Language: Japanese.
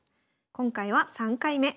今回は３回目。